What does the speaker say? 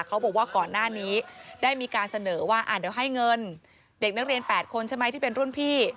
เขาบอกว่าก่อนหน้านี้ได้มีการเสนอว่าเดี๋ยวให้เงินเด็กนักเรียน๘คนใช่ไหมที่เป็นรุ่นพี่